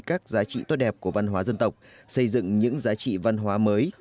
các giá trị tốt đẹp của văn hóa dân tộc xây dựng những giá trị văn hóa mới